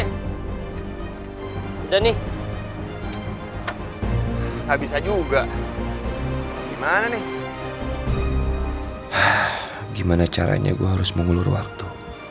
hai dan nih habis aja juga gimana nih gimana caranya gua harus mengulur waktu